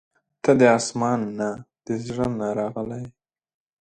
• ته د اسمان نه، د زړه نه راغلې یې.